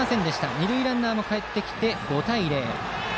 二塁ランナーもかえってきて５対０。